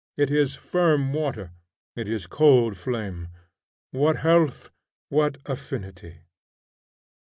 It is firm water; it is cold flame; what health, what affinity!